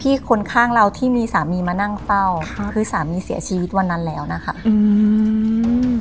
คนข้างเราที่มีสามีมานั่งเฝ้าค่ะคือสามีเสียชีวิตวันนั้นแล้วนะคะอืม